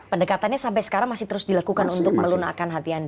pendekatannya sampai sekarang masih terus dilakukan untuk melunakan hati anda